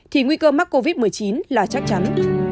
thì nguy cơ mắc covid một mươi chín là chắc chắn